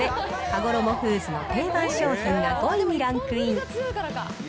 はごろもフーズの定番商品が５位にランクイン。